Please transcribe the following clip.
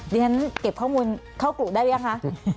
ดีทั้งนั้นเก็บข้อมูลเข้ากลุได้รึยังคะ